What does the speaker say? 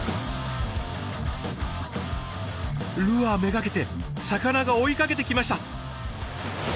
ルアー目がけて魚が追いかけてきました。